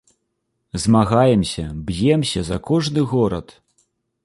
Змагаемся, б'емся за кожны горад.